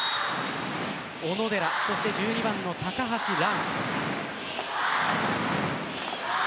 小野寺、そして１２番の高橋藍。